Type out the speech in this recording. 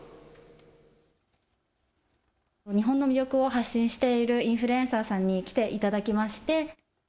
日本の魅力を発信しているインフルエンサーさんに来ていただきまして。